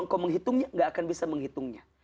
engkau menghitungnya gak akan bisa menghitungnya